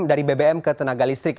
dari bbm ke tenaga listrik